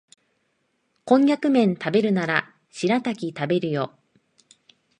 コンニャクめん食べるならシラタキ食べるよ